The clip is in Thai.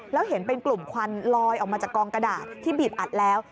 แล้วเห็นเป็นกลุ่มควันลอยออกมาจากกองกระดาษที่บีบอัดแล้ว